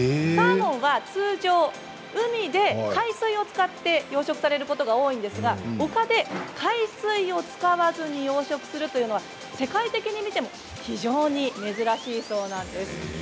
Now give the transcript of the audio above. サーモンは通常、海で海水を使って養殖されることが多いんですが丘で海水は使わずに養殖するというのは世界的に見ても非常に珍しいそうです。